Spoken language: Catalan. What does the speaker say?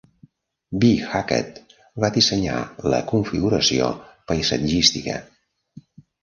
B. Hackett va dissenyar la configuració paisatgística.